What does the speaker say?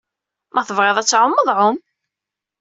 Ma tebɣiḍ ad tɛummeḍ, ɛumm.